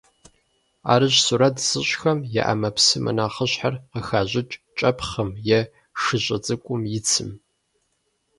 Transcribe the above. Ӏэрыщӏ сурэт зыщӏхэм я ӏэмэпсымэ нэхъыщхьэр къыхащӏыкӏ кӏэпхъым е шыщӏэ цӏыкум и цым.